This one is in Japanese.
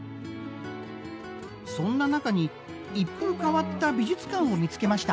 そんな中に一風変わった美術館を見つけました。